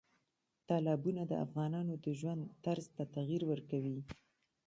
تالابونه د افغانانو د ژوند طرز ته تغیر ورکوي.